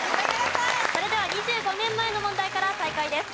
それでは２５年前の問題から再開です。